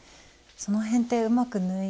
その辺ってうまく縫え？